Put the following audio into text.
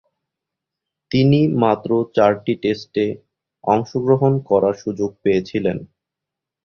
তিনি মাত্র চারটি টেস্টে অংশগ্রহণ করার সুযোগ পেয়েছিলেন।